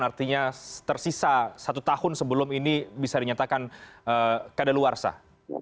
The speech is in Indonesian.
artinya tersisa satu tahun sebelum ini bisa dinyatakan keadaan luar sah